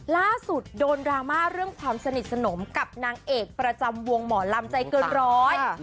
ล่าสุดโดนดราม่าเรื่องความสนิทสนมกับนางเอกประจำวงหมอลำใจเกินร้อย